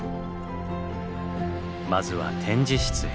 まずは展示室へ。